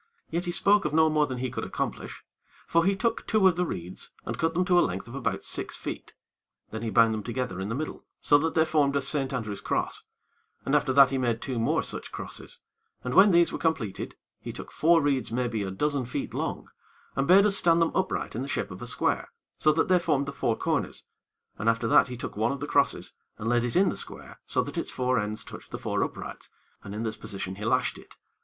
Yet he spoke of no more than he could accomplish; for he took two of the reeds and cut them to a length of about six feet; then he bound them together in the middle so that they formed a Saint Andrew's cross, and after that he made two more such crosses, and when these were completed, he took four reeds maybe a dozen feet long, and bade us stand them upright in the shape of a square, so that they formed the four corners, and after that he took one of the crosses, and laid it in the square so that its four ends touched the four uprights, and in this position he lashed it.